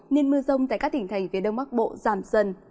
nên mưa rông tại các tỉnh thành phía đông bắc bộ giảm dần